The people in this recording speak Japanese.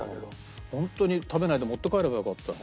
ホントに食べないで持って帰ればよかった。